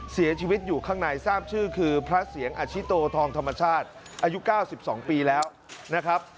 เสียชีวิตอยู่ข้างในทราบชื่อคือพระเสียงอาชิโตทองธรรมชาติอายุ๙๒ปีแล้วนะครับ